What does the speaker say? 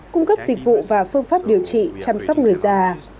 cung cấp dịch vụ và phương pháp điều trị chăm sóc người già